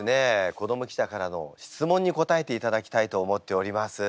子ども記者からの質問に答えていただきたいと思っております。